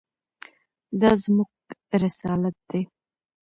دا زموږ رسالت دی.